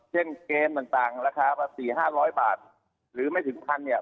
เช่นเกณฑ์ต่างราคาสี่ห้าร้อยบาทหรือไม่ถึงพันเงิน